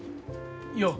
よう。